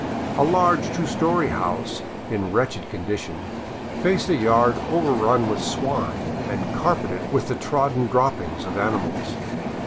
A large two story house in wretched condition faced a yard overrun with swine and carpeted with the trodden droppings of animals.